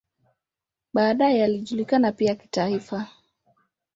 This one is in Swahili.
Baadaye alijulikana pia kitaifa.